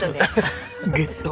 ゲット。